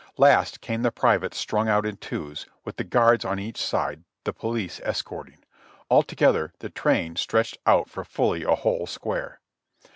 Last came the privates strung out in twos, with the guards on each side, the police escorting. Altogether the train stretched out for fully a whole square.